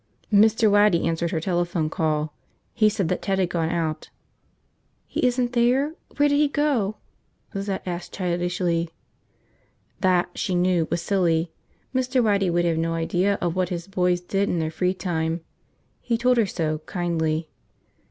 Mr. Waddy answered her telephone call. He said that Ted had gone out. "He isn't there? Where did he go?" Lizette asked childishly. That, she knew, was silly. Mr. Waddy would have no idea of what his boys did in their free time. He told her so, kindly.